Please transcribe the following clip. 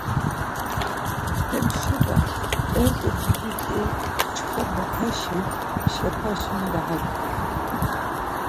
Hem şepa eǩo didi t̆u çkva mapaşi şepaşen daha didi.